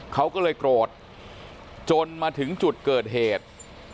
เขาก็เลยโกรธจนมาถึงจุดเกิดเหตุ